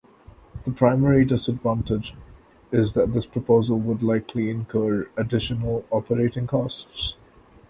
The primary disadvantage is that this proposal would likely incur additional operating costs.